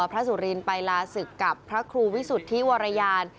สุรินไปลาศึกกับพระครูวิสุทธิวรยาน